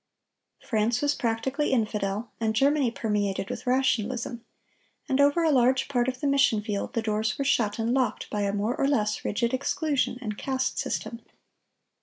France was practically infidel, and Germany permeated with rationalism; and over a large part of the mission field, the doors were shut and locked by a more or less rigid exclusion and caste system.